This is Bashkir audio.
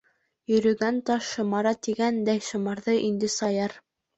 Йөрөгән таш шымара тигәндәй, шымарҙы инде Саяр.